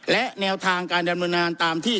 และแนวทางการดำเนินงานตามที่